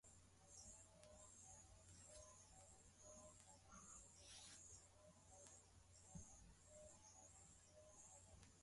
Andaa m oto kupikia kama jiko la gesi